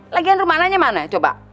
lagian rumah nanya mana coba